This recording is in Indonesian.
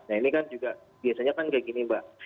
nah ini kan juga biasanya kan kayak gini mbak